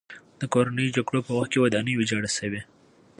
د کورنیو جګړو په وخت کې ودانۍ ویجاړه شوې.